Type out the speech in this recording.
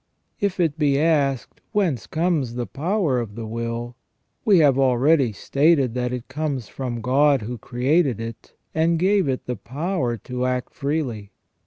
If it be asked, Whence comes the power of the will ? we have already stated that it comes from God who created it, and gave it the power to act freely.